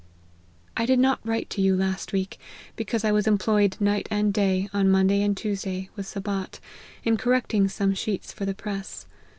'''" I did not write to you last week, because I was employed night and day, on Monday and Tuesday, with Sabat, in correcting some sheets for the press.